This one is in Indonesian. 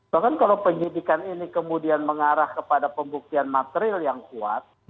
bahkan kalau penyidikan ini kemudian mengarah kepada pembuktian material yang kuat